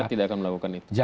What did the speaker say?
tidak akan melakukan itu